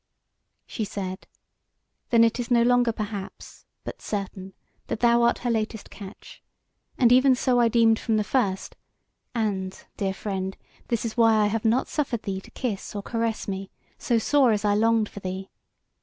She said: "Then it is no longer perhaps, but certain, that thou art her latest catch; and even so I deemed from the first: and, dear friend, this is why I have not suffered thee to kiss or caress me, so sore as I longed for thee.